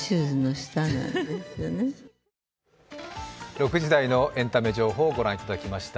６時台のエンタメ情報をご覧いただきました。